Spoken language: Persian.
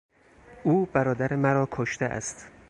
او برادر مرا کشته است.